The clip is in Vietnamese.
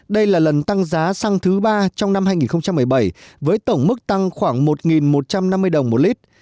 đây là lần tăng giá xăng thứ ba trong năm hai nghìn một mươi bảy với tổng mức tăng khoảng một một trăm năm mươi đồng một lít